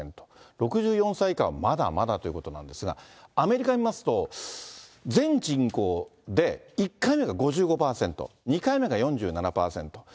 ６４歳以下はまだまだということなんですが、アメリカ見ますと、全人口で、１回目が５５％、２回目が４７％。